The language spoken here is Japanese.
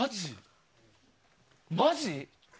マジ？